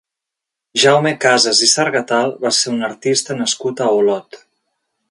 Jaume Casas i Sargatal va ser un artista nascut a Olot.